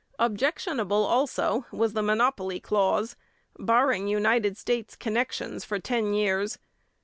Objectionable, also, was the monopoly clause, barring United States connections for ten years.